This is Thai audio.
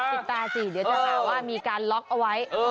ติดตาสิเดี๋ยวจะหาว่ามีการล็อกเอาไว้